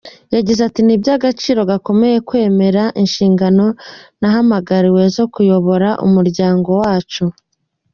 Yagize ati, "Ni iby’agaciro gakomeye kwemera inshingano nahamagariwe zo kuyobora umuryango wacu.